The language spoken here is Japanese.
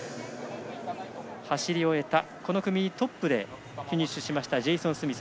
走り終えた、この組トップでフィニッシュしたジェイソン・スミス。